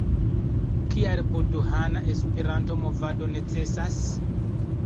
Kial budhana Esperanto-movado necesas?